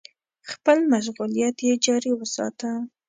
خپل مشغولیت يې جاري وساته.